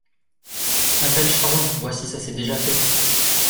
Appelle Charron, vois si ça s’est déjà fait…